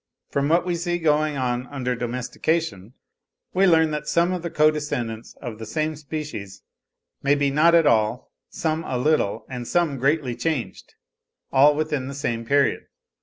From what we see going on under domestication, we learn that some of the co descendants of the same species may be not at all, some a little, and some greatly changed, all within the same period.